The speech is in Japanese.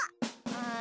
うん。